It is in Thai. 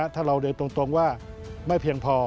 ถ้าเราเรียนตรงว่าไม่เพียงพอ